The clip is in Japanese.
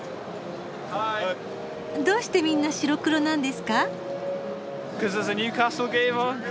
どうしてみんな白黒なんですか？